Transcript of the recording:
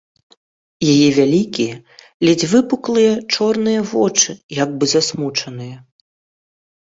Яе вялікія, ледзь выпуклыя, чорныя вочы як бы засмучаныя.